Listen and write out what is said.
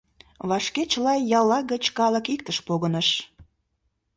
Вашке чыла ялла гыч калык иктыш погыныш.